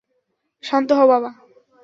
শান্ত হও, বাবা।